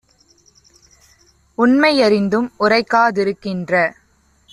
உண்மை யறிந்தும் உரைக்கா திருக்கின்ற